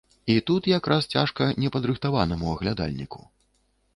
І тут якраз цяжка непадрыхтаванаму аглядальніку.